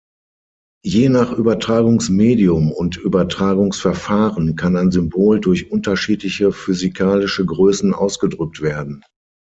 Je nach Übertragungsmedium und Übertragungsverfahren kann ein Symbol durch unterschiedliche physikalische Größen ausgedrückt werden.